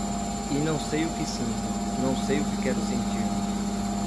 E não sei o que sinto, não sei o que quero sentir